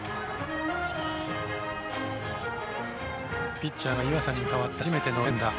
ピッチャーが岩佐に代わって初めての連打。